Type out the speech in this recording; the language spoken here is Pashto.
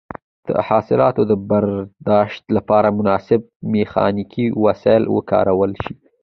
د حاصلاتو د برداشت لپاره مناسب میخانیکي وسایل وکارول شي.